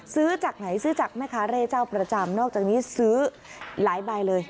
ซื้อจากไหนซื้อจากแม่ค้าเร่เจ้าประจำนอกจากนี้ซื้อหลายใบเลย